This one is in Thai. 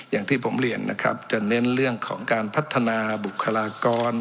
อย่างที่ผมเรียนนะครับจะเน้นเรื่องของการพัฒนาบุคลากร